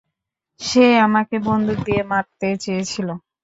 সে আমাকে বন্দুক দিয়ে মারতে চেয়েছিল।